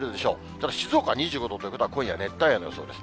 ただ静岡は２５度ということは、今夜熱帯夜の予想です。